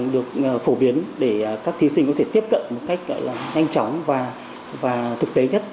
được phổ biến để các thí sinh có thể tiếp cận một cách nhanh chóng và thực tế nhất